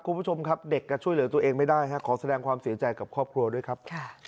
คุณผู้ชมครับเด็กก็ช่วยเหลือตัวเองไม่ได้ขอแสดงความเสียใจกับครอบครัวด้วยครับ